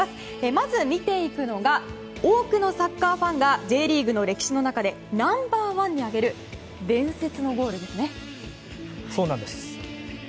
まず、見ていくのが多くのサッカーファンがＪリーグの歴史の中でナンバー１に挙げる伝説のゴールですね。